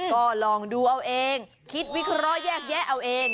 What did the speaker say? ก็ลองดูเอาเองคิดวิเคราะห์แยกแยะเอาเอง